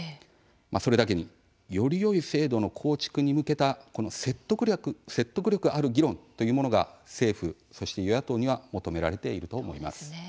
それだけによりよい制度の構築に向けた説得力ある議論というものが政府、そして与野党は求められていると思います。